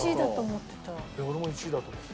俺も１位だと思ってた。